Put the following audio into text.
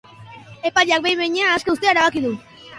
Epaileak behin-behinean aske uztea erabaki du.